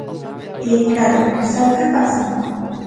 E, claro, ¿sabe o que pasa?